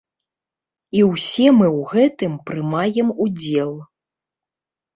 І ўсе мы ў гэтым прымаем удзел.